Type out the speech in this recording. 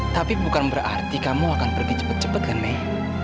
tapi bukan berarti kamu akan pergi cepat cepat kan may